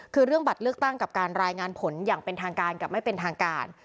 คือเรื่องบัตรเลือกตั้งกับการรายงานผลอย่างเป็นทางการกับไม่เป็นทางการ